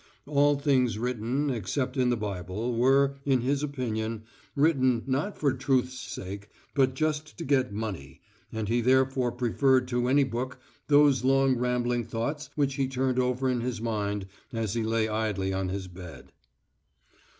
All things written, except in the Bible, were, in his opinion, written not for truth's sake but just to get money, and he therefore preferred to any book those long rambling thoughts which he turned over in his mind as he lay idly on his bed.